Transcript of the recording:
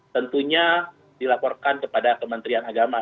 tentunya dilaporkan kepada kementerian agama